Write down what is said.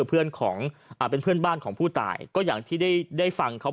เป็นเพื่อนบ้านของผู้ตายก็อย่างที่ได้ฟังเขา